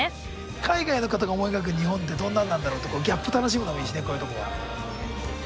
海外の方が思い描く日本ってどんなんなんだろうってギャップ楽しむのもいいしねこういうところは。